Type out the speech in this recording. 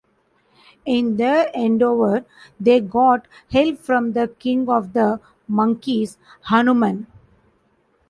In their endeavor they got help from the King of the Monkeys Hanuman.